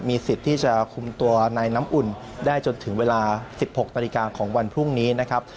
สิทธิ์ที่จะคุมตัวในน้ำอุ่นได้จนถึงเวลา๑๖นาฬิกาของวันพรุ่งนี้นะครับ